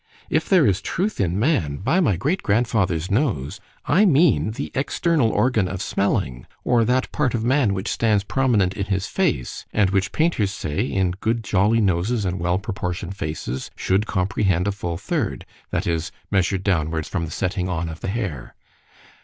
——If there is truth in man, by my great grandfather's nose, I mean the external organ of smelling, or that part of man which stands prominent in his face——and which painters say, in good jolly noses and well proportioned faces, should comprehend a full third——that is, measured downwards from the setting on of the hair.